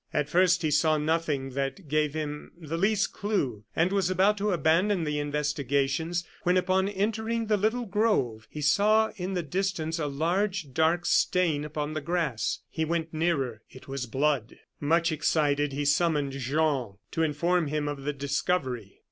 At first he saw nothing that gave him the least clew, and was about to abandon the investigations, when, upon entering the little grove, he saw in the distance a large dark stain upon the grass. He went nearer it was blood! Much excited, he summoned Jean, to inform him of the discovery.